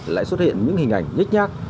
lại xuất hiện những hình ảnh nhích nhác